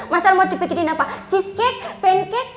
mas al mau dibikinin apa cheese cake pancake